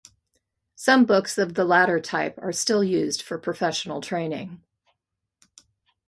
Some books of the latter type are still used for professional training.